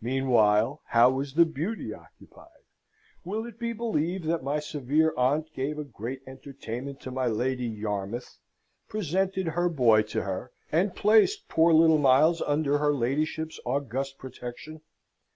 Meanwhile, how was the Beauty occupied? Will it be believed that my severe aunt gave a great entertainment to my Lady Yarmouth, presented her boy to her, and placed poor little Miles under her ladyship's august protection?